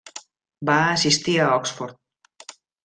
Va assistir a Oxford.